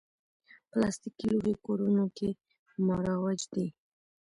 پلاستيکي لوښي کورونو کې مروج دي.